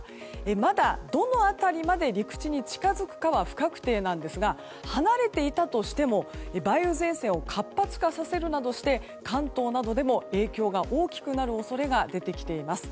まだ、どの辺りまで陸地に近づくかは不確定なんですが離れていたとしても梅雨前線を活発化させるなどして関東などでも影響が大きくなる恐れが出てきています。